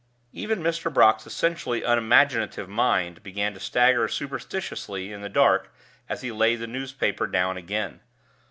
Even Mr. Brock's essentially unimaginative mind began to stagger superstitiously in the dark as he laid the newspaper down again.